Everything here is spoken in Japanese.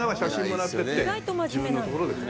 「意外と真面目なんだよね」